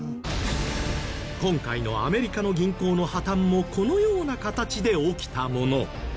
今回のアメリカの銀行の破たんもこのような形で起きたもの。